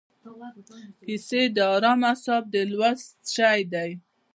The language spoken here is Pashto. کیسې د ارامو اعصابو د لوست شی دی.